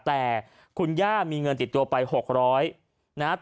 แต่คุณย่ามีเงินติดตัวไป๖๐๐นะครับ